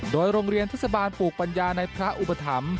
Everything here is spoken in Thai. โดยโรงเรียนเทศบาลปลูกปัญญาในพระอุปถัมภ์